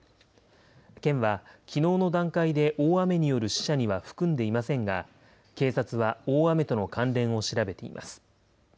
県はきのうの段階で大雨による死者には含んでいませんが、警察は大雨との関連を調べています。